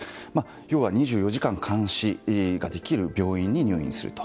要は２４時間監視ができる病院に入院すると。